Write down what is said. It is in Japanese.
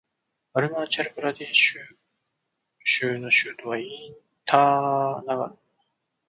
アルナーチャル・プラデーシュ州の州都はイーターナガルである